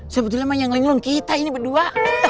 sebetulnya emang yang ngelenglung kita ini berdua